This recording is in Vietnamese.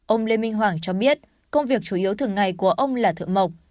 ông lê minh hoàng cho biết công việc chủ yếu thường ngày của ông là thượng mộc